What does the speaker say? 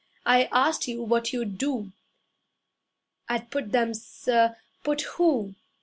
I asked you what you'd do.' 'I'd put them, sir ' 'Put who?'